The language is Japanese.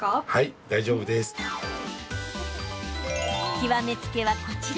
極め付きは、こちら。